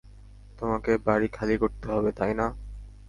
তোমাকে বাড়ি খালি করতে হবে, তাই না?